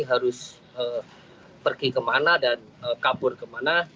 harus pergi kemana dan kabur kemana